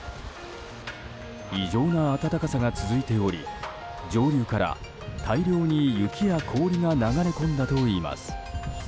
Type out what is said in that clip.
異常な暖かさが続いており上流から大量に雪や氷が流れ込んだといいます。